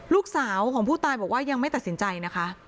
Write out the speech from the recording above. ลูกสาวของผู้ตายบอกว่ายังไม่ตัดสินใจนะคะ